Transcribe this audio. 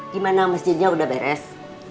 gimana mesinnya udah beres